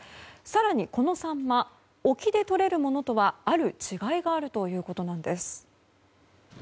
更に、このサンマ沖でとれるものとはある違いがあるということなんです。